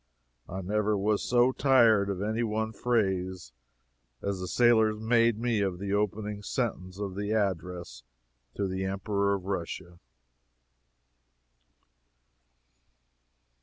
I never was so tired of any one phrase as the sailors made me of the opening sentence of the Address to the Emperor of Russia.